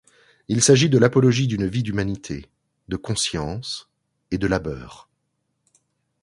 Il s'agit de l'apologie d'une vie d'humanité, de conscience et de labeur.